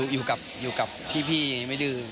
อยู่กับพี่ไม่ดื้อ